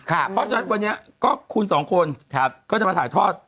เพราะฉะนั้นวันนี้ก็คุณสองคนก็จะมาถ่ายทอด